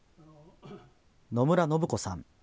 野村信子さん。